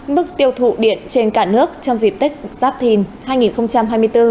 mức tiêu thụ điện trên cả nước trong dịp tết giáp thìn hai nghìn hai mươi bốn giảm ba mươi một bảy